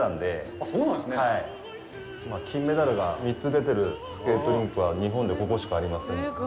金メダルが３つ出てるスケートリンクは日本でここしかありませんので。